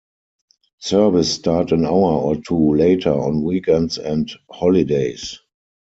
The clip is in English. Service start an hour or two later on weekends and holidays.